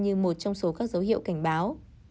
như một trong số các dấu hiệu cảnh báo